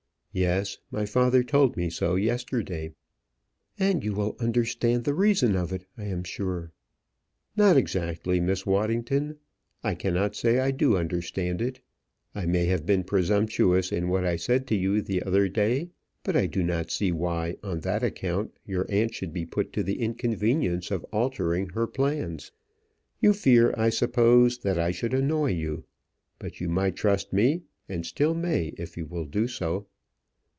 "Yes; my father told me so yesterday." "And you will understand the reason of it, I am sure?" "Not exactly, Miss Waddington. I cannot say I do understand it. I may have been presumptuous in what I said to you the other day; but I do not see why on that account your aunt should be put to the inconvenience of altering her plans. You fear, I suppose, that I should annoy you; but you might trust me and still may if you will do so."